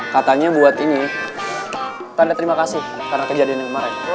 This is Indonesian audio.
katanya buat ini tanda terima kasih karena kejadian yang kemarin